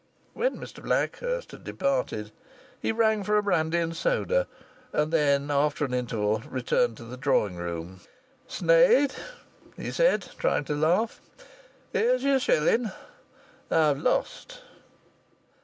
When Mr Blackhurst had departed he rang for a brandy and soda, and then, after an interval, returned to the drawing room. "Sneyd," he said, trying to laugh, "here's your shilling. I've lost."